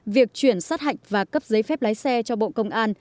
việc chuyển sát hạch và cấp giấy phép lái xe cho bộ công an